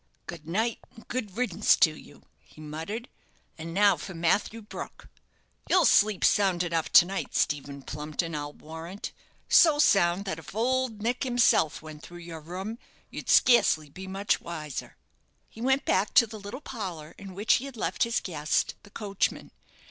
"Good night, and a good riddance to you," he muttered; "and now for Matthew Brook. You'll sleep sound enough to night, Stephen Plumpton, I'll warrant. So sound that if Old Nick himself went through your room you'd scarcely be much wiser." He went back to the little parlour in which he had left his guest, the coachman.